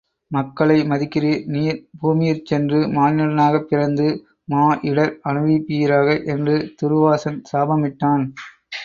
மக்களை மதிக்கிறீர் நீர் பூமியிற் சென்று மானிடனாகப் பிறந்து மா இடர் அனுபவிப்பீராக என்று துருவாசன் சாபமிட்டான்.